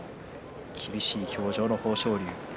厳しい表情の豊昇龍。